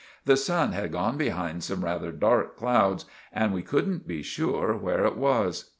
The sun had gone behind some rather dark clouds and we couldn't be sure where it was.